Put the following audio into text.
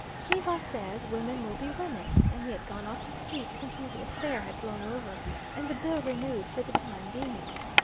Kiva says, women will be women, and he had gone off to sleep thinking the affair had blown over and the bill renewed for the time being.